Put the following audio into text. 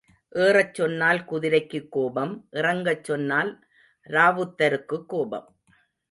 ஏறச் சொன்னால் குதிரைக்குக் கோபம் இறங்கச் சொன்னால் ராவுத்தருக்குக் கோபம்.